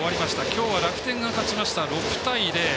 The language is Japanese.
今日は楽天が勝ちました、６対０。